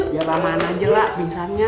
ya apa apaan aja lah pingsannya